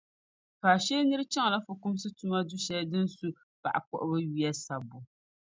Faashee nir’ chaŋla fukumsi tuma du’ shɛli din su paɣ’ kpuɣibo yuya sabbu.